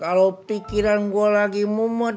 kalau pikiran gue lagi mumet